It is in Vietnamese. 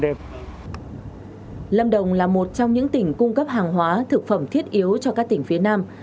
lâm đồng là một trong những tỉnh cung cấp hàng hóa thực phẩm thiết yếu cho các tỉnh phía nam